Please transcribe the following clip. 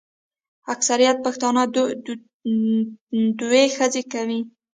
اکثریت پښتانه دوې ښځي کوي.